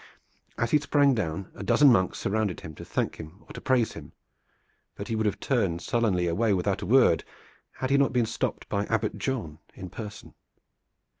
As he sprang down, a dozen monks surrounded him to thank him or to praise him; but he would have turned sullenly away without a word had he not been stopped by Abbot John in person.